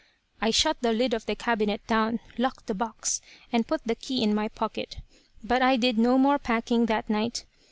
"I shut the lid of the cabinet down, locked the box, and put the key in my pocket. But I did no more packing that night.